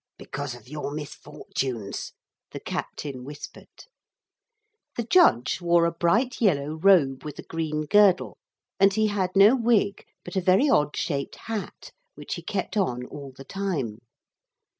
('Because of your misfortunes,' the captain whispered.) The judge wore a bright yellow robe with a green girdle, and he had no wig, but a very odd shaped hat, which he kept on all the time.